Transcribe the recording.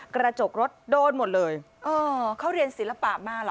กระจกรถโดนหมดเลยเออเขาเรียนศิลปะมาเหรอ